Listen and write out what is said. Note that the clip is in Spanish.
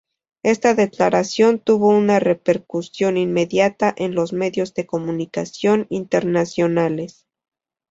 Esta declaración tuvo una repercusión inmediata en los medios de comunicación internacionales.